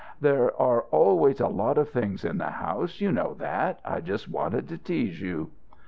"There are always a lot of things in the house. You know that. I just wanted to tease you."